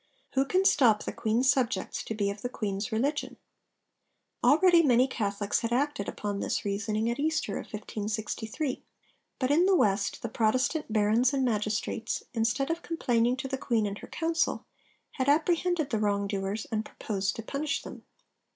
'Who can stop the Queen's subjects to be of the Queen's religion?' Already many Catholics had acted upon this reasoning at Easter of 1563; but in the West the Protestant barons and magistrates, instead of complaining to the Queen and her Council, had apprehended the wrong doers and proposed to punish them.